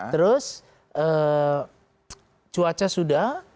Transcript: terus cuaca sudah